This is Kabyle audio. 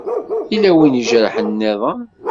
Yella wi ijerḥen nniḍen?